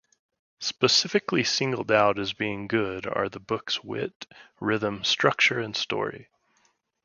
Specifically singled out as being good are the book's wit, rhythm, structure, and story.